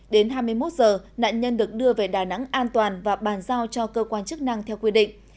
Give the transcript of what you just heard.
đến hai mươi một h nạn nhân được đưa về đà nẵng an toàn và bàn giao cho cơ quan chức năng theo quy định